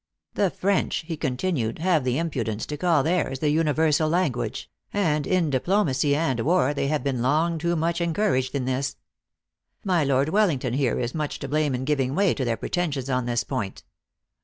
The French," he contin ued, " have the impudence to call theirs the universal language ; and in diplomacy and war, they have been long too much encouraged in this. My Lord Well ington here is much to blame in giving way to their pretensions on this point.